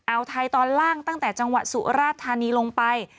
เอาไทยตอนล่างตั้งแต่จังหวัดสุราธานีลงไป